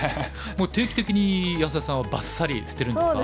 もう定期的に安田さんはばっさり捨てるんですか？